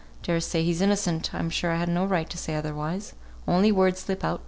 I dare say he's innocent; I'm sure I had no right to say otherwise, only words slip out.